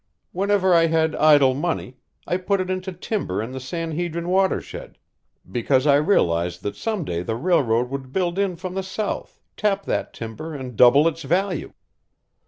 Whenever I had idle money, I put it into timber in the San Hedrin watershed, because I realized that some day the railroad would build in from the south, tap that timber, and double its value.